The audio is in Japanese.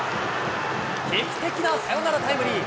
劇的なサヨナラタイムリー。